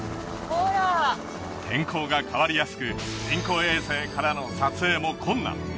ほら天候が変わりやすく人工衛星からの撮影も困難